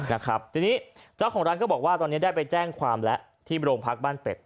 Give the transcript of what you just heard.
นะครับทีนี้เจ้าของร้านก็บอกว่าตอนนี้ได้ไปแจ้งความแล้วที่โรงพักบ้านเป็ด